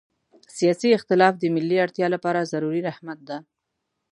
سیاسي اختلاف د ملي اړتیا لپاره ضروري رحمت ده.